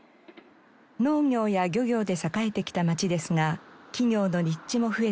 農業や漁業で栄えてきた街ですが企業の立地も増えています。